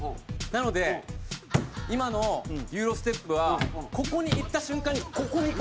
なので今のユーロステップはここに行った瞬間にここに行くんです。